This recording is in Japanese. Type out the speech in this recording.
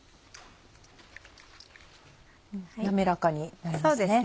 滑らかになりますね。